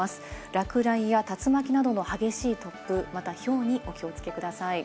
落雷や竜巻などの激しい突風、また、ひょうにお気をつけください。